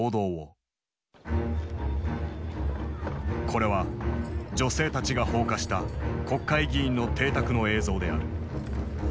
これは女性たちが放火した国会議員の邸宅の映像である。